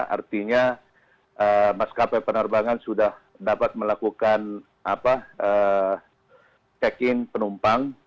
artinya maskapai penerbangan sudah dapat melakukan check in penumpang